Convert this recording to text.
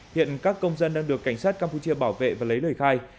hiện các công dân đang được cảnh sát campuchia bảo vệ và lấy lời khai